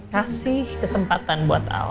kasih kesempatan buat al